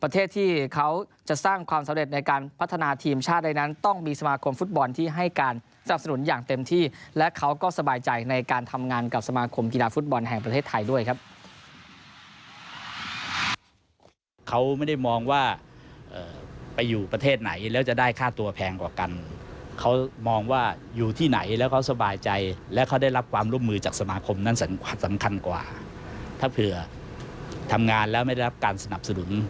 ที่ให้การสนับสนุนอย่างเต็มที่และเขาก็สบายใจในการทำงานกับสมาคมกีฬาฟุตบอลแห่งประเทศไทยด้วยครับ